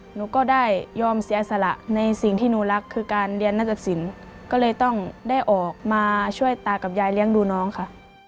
หนูก็ได้ยอมเสียสละในสิ่งที่หนูรักคือการเรียนนัตรสินก็เลยต้องได้ออกมาช่วยตากับยายเลี้ยงดูน้องค่ะ